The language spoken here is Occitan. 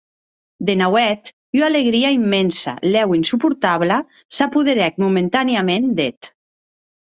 De nauèth ua alegria immensa, lèu insuportabla, s’apoderèc momentanèaments d’eth.